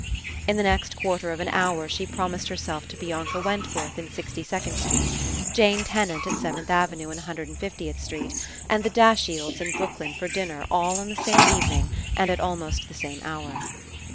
In the next quarter of an hour she prom ised herself to Bianca Wentworth in Sixty second Street, Jane Tenant at Seventh Avenue and a Hundred and Fiftieth Street, and the Dashields in Brooklyn for dinner all on the same evening and at almost the same hour.